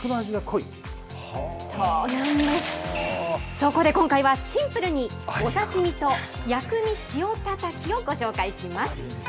そこで今回は、シンプルに、お刺身と薬味塩たたきをご紹介します。